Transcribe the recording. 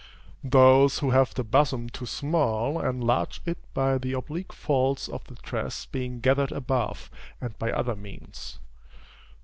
Those who have the bosom too small, enlarge it by the oblique folds of the dress being gathered above, and by other means.